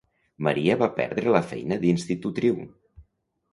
Maria va perdre la feina d'institutriu.